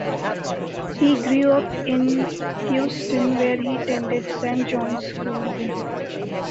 He grew up in Houston, where he attended Saint John's School.